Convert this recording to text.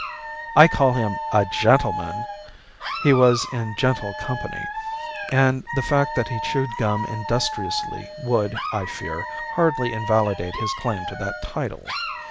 I call him a "gentleman;" he was in gentle company, and the fact that he chewed gum industriously would, I fear, hardly invalidate his claim to that title.